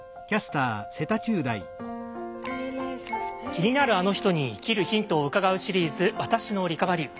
気になるあの人に生きるヒントを伺うシリーズ「私のリカバリー」。